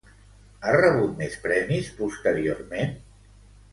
Ha rebut més premis posteriorment?